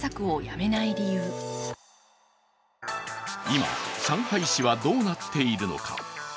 今、上海市はどうなっているのか。